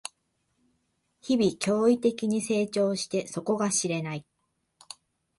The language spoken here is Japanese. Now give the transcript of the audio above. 日々、驚異的に成長して底が知れない